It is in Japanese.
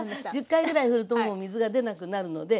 １０回ぐらい振るともう水が出なくなるので。